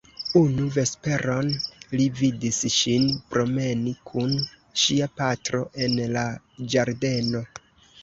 Unu vesperon li vidis ŝin promeni kun ŝia patro en la ĝardeno.